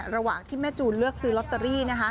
ระหว่างที่แม่จูนเลือกซื้อลอตเตอรี่